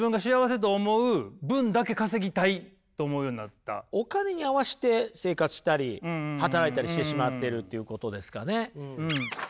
だからえっとお金に合わせて生活したり働いたりしてしまっているっていうことですかね？